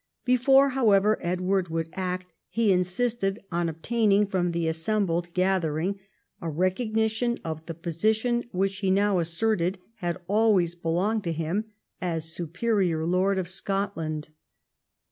Before, however, Edward would act, he insisted on obtaining from the assembled gathering a recognition of the position, which he now asserted had always belonged to him, as superior lord of Scotland.